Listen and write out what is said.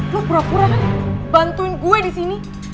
lo pura pura bantuin gue di sini